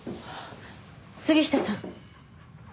杉下さん。